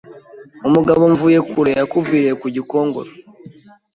Umugabo Mvuyekure yakuviriye ku Gikongoro